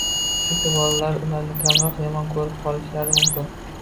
chunki bolalari ularni kamroq yomon ko‘rib qolishlari mumkin.